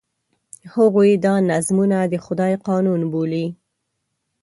هغوی دا نظمونه د خدای قانون بولي.